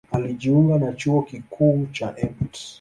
Alijiunga na Chuo Kikuu cha Mt.